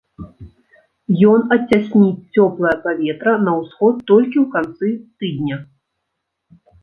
Ён адцясніць цёплае паветра на ўсход толькі ў канцы тыдня.